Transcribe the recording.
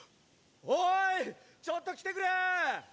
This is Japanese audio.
おいちょっと来てくれ！